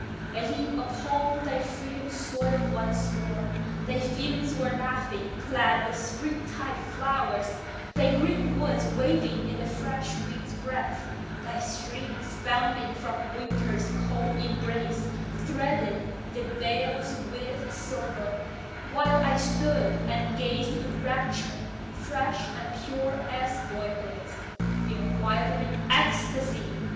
I leaped upon thy freeborn soil once more: Thy fields were laughing, glad with spring tide flowers, Thy greenwoods waving in the fresh wind's breath; Thy streams, bounding from winter's cold embrace, Threaded the vales with silver; while I stood And gazed with rapture, fresh and pure as boyhood's, In 'wildering ecstasy.